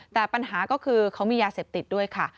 แต่ปัญหาก็คือเขามียาเสพติดด้วยค่ะ